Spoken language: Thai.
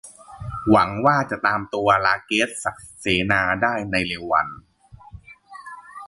หวังว่าจะตามตัว ราเกซ ศักดิ์เสนา ได้ในเร็ววัน